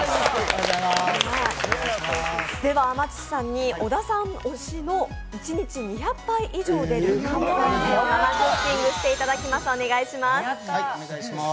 天土さんに小田さん推しの一日２００杯以上でる鴨らーめんを生クッキングしていただきます。